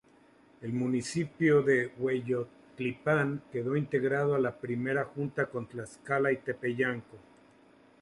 El municipio de Hueyotlipan quedó integrado a la primera junta, con Tlaxcala y Tepeyanco.